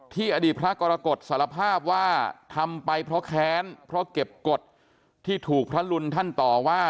อดีตพระกรกฎสารภาพว่าทำไปเพราะแค้นเพราะเก็บกฎที่ถูกพระรุนท่านต่อว่า